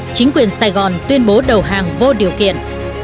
chính quyền sài gòn tuyên bố đầu hàng vô điều kiện